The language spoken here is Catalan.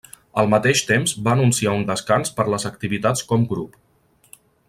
Al mateix temps va anunciar un descans per les activitats com grup.